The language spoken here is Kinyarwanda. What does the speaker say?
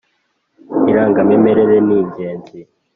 Irangamimerere ningenzi.